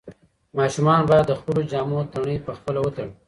ماشومان باید د خپلو جامو تڼۍ پخپله وتړي.